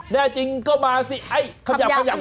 แน่จริงก็มาสิคำหยาบคำหยาบ